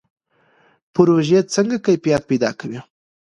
پروژې څنګه کیفیت پیدا کوي؟